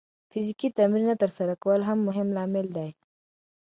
فزیکي تمرین نه ترسره کول هم مهم لامل دی.